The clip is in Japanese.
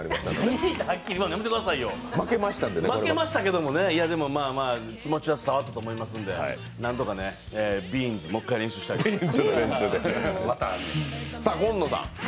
２位とはっきり言うのやめてくださいよ、負けましたけどでも、まあまあ気持ちは伝わったと思いますので、何とかね、ビーンズ、もう一回、練習したいと思います。